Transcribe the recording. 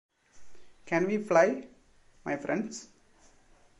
Can we fly, my friends?